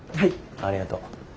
ありがとう。